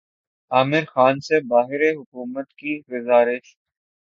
عامر خان سے بہار حکومت کی گزارش